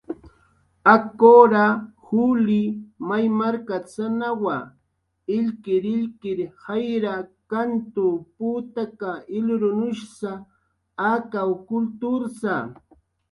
Akura, Juli may markasanawa, illkirillkirir jayra, kantu, putaka, ilrunushsa akaw kultursa.